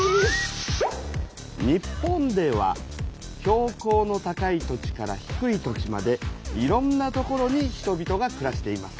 日本では標高の高い土地から低い土地までいろんな所に人々がくらしています。